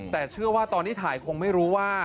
แต่เชื่อว่าตอนที่ถ่ายคงไม่รู้ว่า